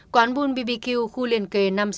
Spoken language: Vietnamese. quán bull bbq khu liền kề năm mươi sáu